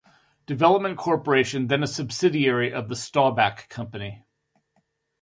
Development Corporation, then a subsidiary of the Staubach Company.